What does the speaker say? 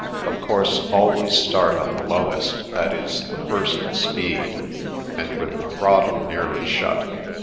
Of course, always start on the lowest, that is, the first speed, and with the throttle nearly shut."